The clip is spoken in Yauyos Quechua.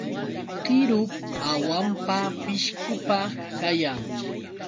Qirup hawampa pishqupa kayan.